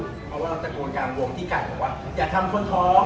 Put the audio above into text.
เพราะว่าเราตะโกนกลางวงที่ไก่บอกว่าอย่าทำคนท้อง